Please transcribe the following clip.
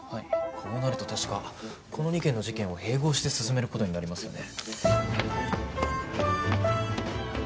こうなると確かこの２件の事件は併合して進める事になりますよね。